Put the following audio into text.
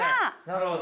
なるほど。